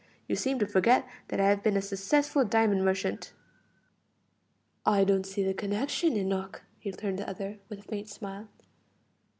You seem to forget that I have been a successful diamond merchant." "I don't see the connection, Enoch," returned the other, with a faint smile.